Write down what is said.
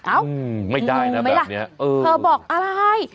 เอ้ารู้ไหมล่ะเธอบอกอะไร